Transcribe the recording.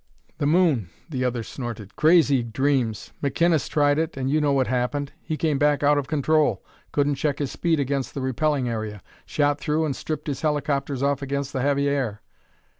"The moon!" the other snorted. "Crazy dreams! McInness tried it, and you know what happened. He came back out of control couldn't check his speed against the repelling area shot through and stripped his helicopters off against the heavy air.